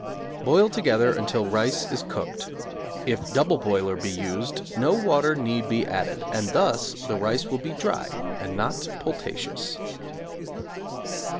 Boil together until rice is cooked. If double boiler be used no water need be added, and thus the rice will be dry and not pultaceous.